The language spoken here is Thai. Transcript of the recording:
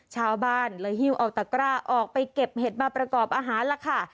ชาวบ้านเลยหิ้วเอาตะกร้าออกไปเก็บเห็ดมาประกอบอาหารล่ะค่ะ